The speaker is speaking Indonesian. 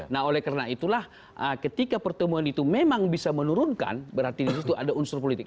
nah oleh karena itulah ketika pertemuan itu memang bisa menurunkan berarti disitu ada unsur politik